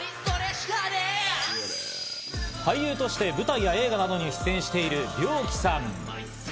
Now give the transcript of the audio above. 俳優として舞台や映画などに出演しているリョウキさん。